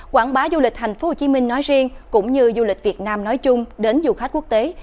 quảng bá du lịch tp hcm nói riêng cũng như du lịch việt nam nói chung đến du khách quốc tế